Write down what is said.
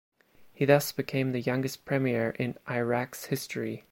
He thus became the youngest premier in Iraq's history.